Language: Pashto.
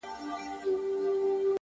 خير سجده به وکړم تاته! خير دی ستا به سم!